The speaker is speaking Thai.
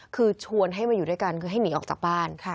คือชวนให้มาอยู่ด้วยกันคือให้หนีออกจากบ้าน